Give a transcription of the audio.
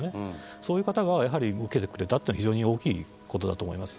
そういう方がやはり受けてくれたっていうのが非常に大きいことだと思います。